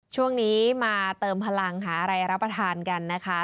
ช่วงนี้มาเติมพลังหาอะไรรับประทานกันนะคะ